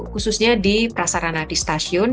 khususnya di prasarana di stasiun